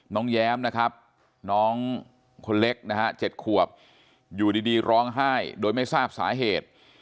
แย้มนะครับน้องคนเล็กนะฮะ๗ขวบอยู่ดีร้องไห้โดยไม่ทราบสาเหตุ